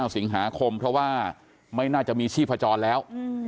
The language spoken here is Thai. สิงหาคมเพราะว่าไม่น่าจะมีชีพจรแล้ว